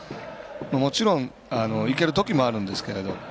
もちろん、いける時もあるんですけれど。